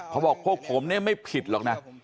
เขาบอกพวกผมเนี่ยไม่ผิดหรอกนะ